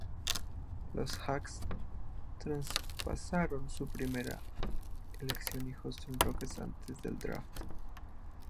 Los Hawks traspasaron su primera elección a Houston Rockets antes del draft.